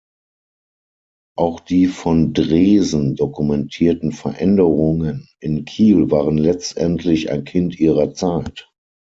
Auch die von Dreesen dokumentierten Veränderungen in Kiel waren letztendlich ein Kind ihrer Zeit.